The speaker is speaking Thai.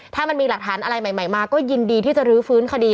ถ้ามันมีหลักฐานอะไรใหม่มาก็ยินดีที่จะลื้อฟื้นคดี